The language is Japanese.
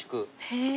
へえ。